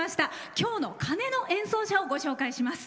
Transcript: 今日の鐘の演奏者をご紹介します。